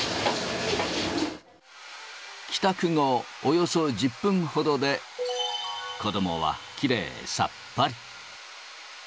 帰宅後、およそ１０分ほどで、子どもはきれいさっぱり。